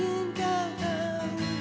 mau donceng sama aku